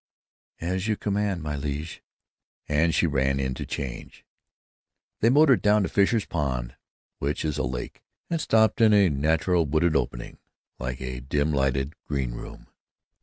"As you command, my liege." And she ran in to change. They motored down to Fisher's Pond, which is a lake, and stopped in a natural woodland opening like a dim lighted greenroom.